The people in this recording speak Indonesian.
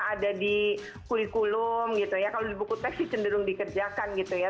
ada di kurikulum gitu ya kalau di buku teks sih cenderung dikerjakan gitu ya